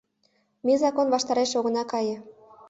— Ме закон ваштареш огына кае.